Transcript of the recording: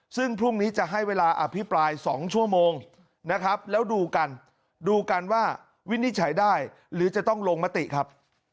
ซึ่งพรุ่งนี้จะให้เวลาอภิปราย๒ชั่วโมงนะครับแล้วดูกันดูกันว่าวินิจฉัยได้หรือจะต้องลงมติครับ